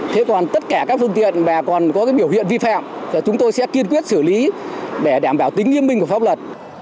thế còn tất cả các phương tiện mà còn có biểu hiện vi phạm chúng tôi sẽ kiên quyết xử lý để đảm bảo tính nghiêm minh của pháp luật